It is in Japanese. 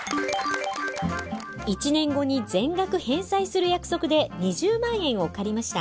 １年後に全額返済する約束で２０万円を借りました。